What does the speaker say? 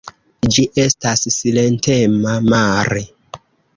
Ĝi estas silentema mare.